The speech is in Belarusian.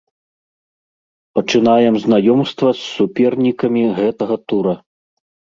Пачынаем знаёмства з супернікамі гэтага тура.